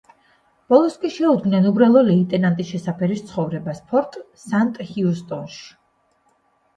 ბოლოს კი შეუდგნენ უბრალო ლეიტენანტის შესაფერის ცხოვრებას ფორტ სან-ჰიუსტონში.